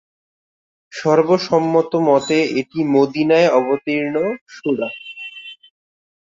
সর্ব সম্মত মতে এটি মদীনায় অবতীর্ণ সূরা।